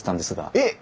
えっ！